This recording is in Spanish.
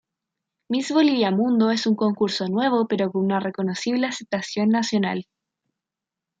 Miss Bolivia Mundo es un concurso nuevo pero con una reconocible aceptación nacional.